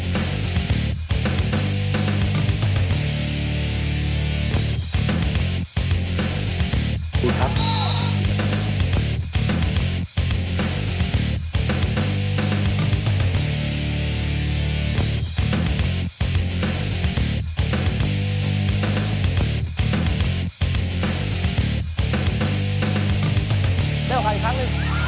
เร็วเข้าอีกครั้งหนึ่ง